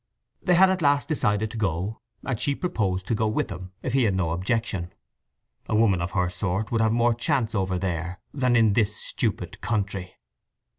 They had at last decided to go, and she proposed to go with them, if he had no objection. A woman of her sort would have more chance over there than in this stupid country.